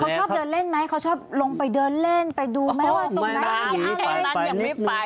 เขาชอบเดินเล่นไหมเขาชอบลงไปเดินเล่นไปดูแม้ว่าตรงไหน